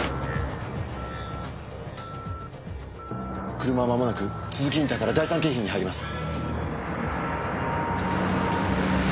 車はまもなく都筑インターから第三京浜に入ります。